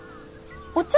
お茶？